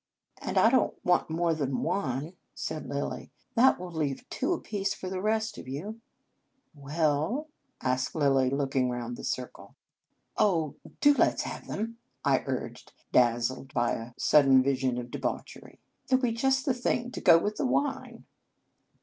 " And I don t want more than one," said Lilly. " That will leave two apiece for the rest of you." "Well?" asked Elizabeth, looking round the circle. 130 Un Conge sans Cloche " Oh, do let s have them !" I urged, dazzled by a sudden vision of debauch ery. " They 11 be just the thing to go with the wine."